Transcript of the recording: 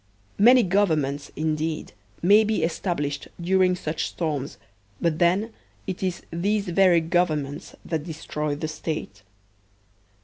Many governments, indeed, may be established during such storms, but then it is these very governments that destroy the State.